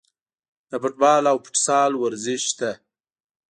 د فوټبال او فوتسال ورزش ته